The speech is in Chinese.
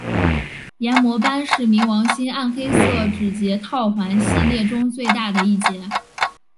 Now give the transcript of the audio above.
炎魔斑是冥王星暗黑色指节套环系列中最大的一节。